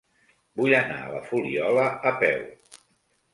Vull anar a la Fuliola a peu.